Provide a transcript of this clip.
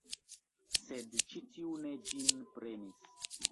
Sed ĉi tiu ne ĝin prenis.